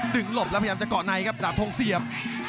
หลบแล้วพยายามจะเกาะในครับดาบทงเสียบ